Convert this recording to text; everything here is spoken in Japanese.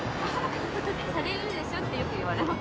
「されるでしょ？」ってよく言われます。